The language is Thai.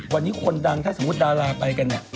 วันนี้คนดังถ้าสมมุติดาราไปกันเนี่ย